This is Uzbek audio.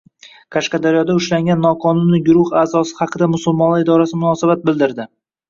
Qashqadaryoda ushlangan noqonuniy guruh a’zosi haqida Musulmonlar idorasi munosabat bildirding